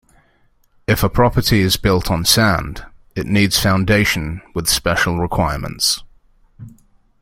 If a property is built on sand, it needs foundation with special requirements.